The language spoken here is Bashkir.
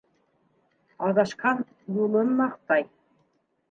Аҙашҡан юлын маҡтай.